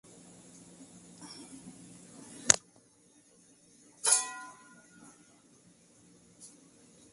Ambas naciones son miembros de las Naciones Unidas y la Organización de Estados Iberoamericanos.